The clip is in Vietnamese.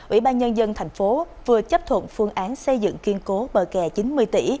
ủy ban nhân dân thành phố vừa chấp thuận phương án xây dựng kiên cố bờ kè chín mươi tỷ